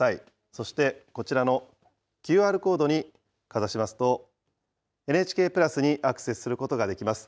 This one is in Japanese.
そしてこちらのＱＲコードにかざしますと、ＮＨＫプラスにアクセスすることができます。